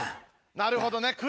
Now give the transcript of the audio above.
なるほどね。